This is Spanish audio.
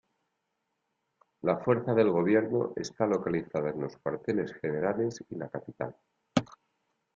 La fuerza del gobierno está localizada en los cuarteles generales y la capital.